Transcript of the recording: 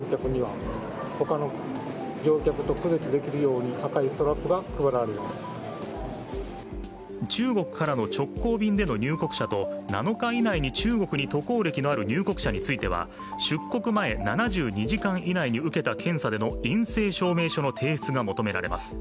チンタオからの便が到着した関西空港では中国からの直行便での入国者と７日以内に中国に渡航歴のある入国者については出国前７２時間以内に受けた検査での陰性証明書の提出が求められます。